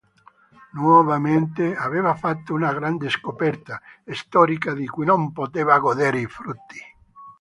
Nuovamente aveva fatto una grande scoperta storica di cui non poteva godere i frutti.